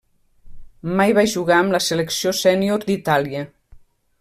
Mai va jugar amb la selecció sènior d'Itàlia.